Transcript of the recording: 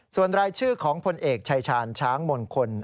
ส่วนรายชื่อของพลเอกชายชาญช้างมงคล